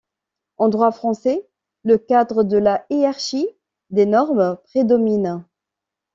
En droit français, le cadre de la hiérarchie des normes prédomine.